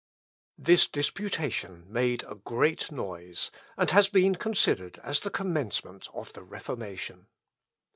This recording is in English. This disputation made a great noise, and has been considered as the commencement of the Reformation.